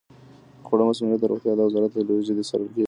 د خوړو مسمومیت د روغتیا د وزارت له لوري جدي څارل کیږي.